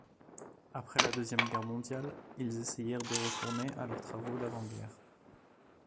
Après la Deuxième Guerre mondiale ils essayèrent de retourner à leur travaux d'avant-guerre.